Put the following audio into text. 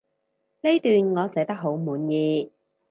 呢段我寫得好滿意